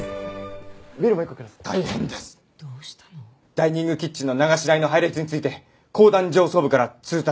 ダイニングキッチンの流し台の配列について公団上層部から通達が。